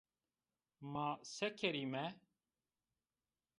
Ma se kerîme?